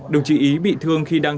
đồng chí ý bị thương khi đang